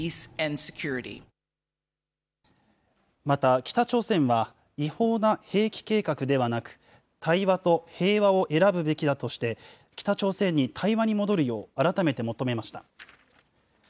また北朝鮮は違法な兵器計画ではなく、対話と平和を選ぶべきだとして、北朝鮮に対話に戻るよう、改めて求めました。